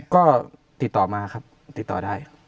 ก็ติดต่อมาครับติดต่อได้